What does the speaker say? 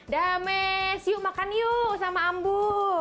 dames yuk makan yuk sama ambu